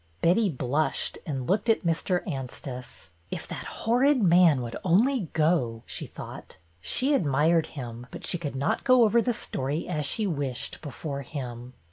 Betty blushed and looked at Mr. Anstice. '' If that horrid man would only go," she thought. She admired him, but she could not go over the story as she wished before him.